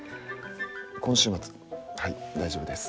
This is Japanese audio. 今週末はい大丈夫です。